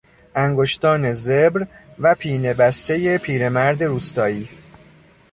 انگشتان زبر و پینه بسته پیرمرد روستایی